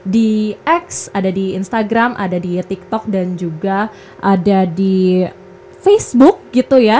di x ada di instagram ada di tiktok dan juga ada di facebook gitu ya